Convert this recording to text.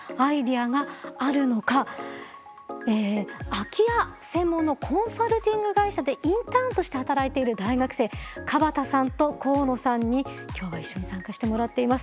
空き家専門のコンサルティング会社でインターンとして働いている大学生椛田さんと河野さんに今日は一緒に参加してもらっています。